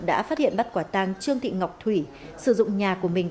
đã phát hiện bắt quả tang trương thị ngọc thủy sử dụng nhà của mình